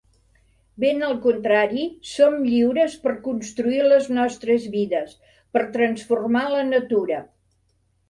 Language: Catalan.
Ben al contrari, som lliures per construir les nostres vides, per transformar la natura.